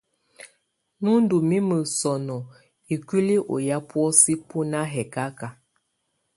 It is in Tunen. Nù ndù mimǝ sɔnɔ ikuili ɔ ya bɔ̀ósɛ bu nà hɛkaka.